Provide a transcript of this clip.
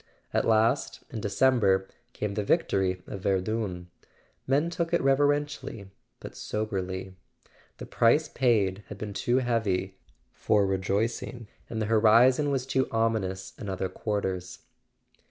At last, in December, came the victory of Verdun. Men took it reverently but soberly. The price paid had been too heavy for rejoicing; and [ 394 ] A SON AT THE FRONT the horizon was too ominous in other quarters.